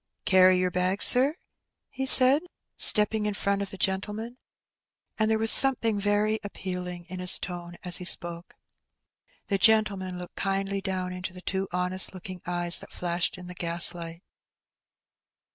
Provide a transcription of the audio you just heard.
''Carry yer bag, sir?" he said, stepping in front of the gentleman; and there was something very appealing in his tone as he spoke. The gentleman looked kindly down into the two honest k)oking eyes that flashed in the gaslight.